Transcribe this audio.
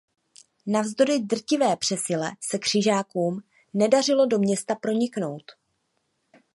Navzdory drtivé přesile se křižákům nedařilo do města proniknout.